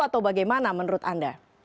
atau bagaimana menurut anda